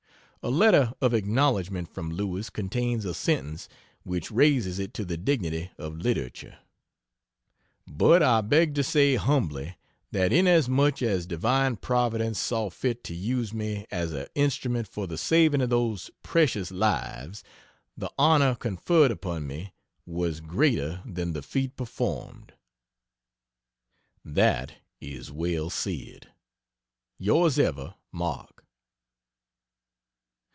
A letter of acknowledgment from Lewis contains a sentence which raises it to the dignity of literature: "But I beg to say, humbly, that inasmuch as divine providence saw fit to use me as a instrument for the saving of those presshious lives, the honner conferd upon me was greater than the feat performed." That is well said. Yrs ever MARK.